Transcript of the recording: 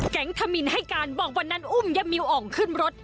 ธมินให้การบอกวันนั้นอุ้มยะมิวอ่องขึ้นรถ